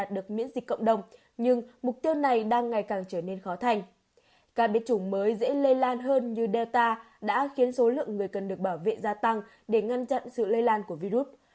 để ngăn chặn sự lây lan của virus